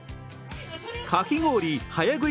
かき氷早喰い